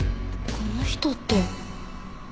この人って。